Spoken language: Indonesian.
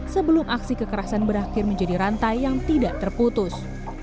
sebelum aksi kekerasan berakhir menjadi rantai yang tidak terputus